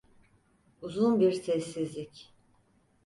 Uzun bir sessizlik...